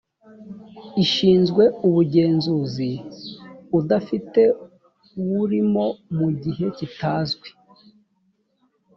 ishinzwe ubugenzuzi udafite uwurimo mu gihe kitazwi